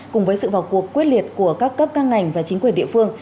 cùng với sự vào cuộc quyết liệt của các cấp các ngành và chính quyền địa phương